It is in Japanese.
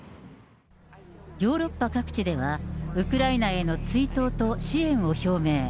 ヨーロッパ各地では、ウクライナへの追悼と支援を表明。